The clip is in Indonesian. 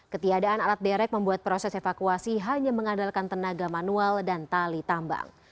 ketiadaan alat derek membuat proses evakuasi hanya mengandalkan tenaga manual dan tali tambang